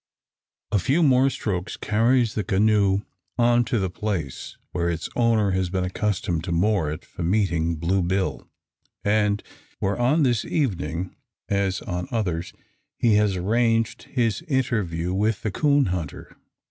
A few more strokes carries the canoe on to the place, where its owner has been accustomed to moor it, for meeting Blue Bill; and where on this evening, as on others, he has arranged his interview with the coon hunter.